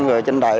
rồi trên đài